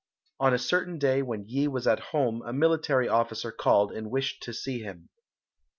On a certain day when Yi was at home a military officer called and wished to see him.